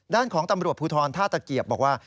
ด้านของตำรวจภูทรท่าตะเกียบบอกว่า